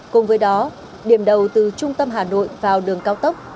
cùng với đó điểm đầu từ trung tâm hà nội vào đường cao tốc